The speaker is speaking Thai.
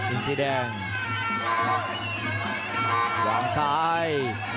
อิสิแดงหลังซ้าย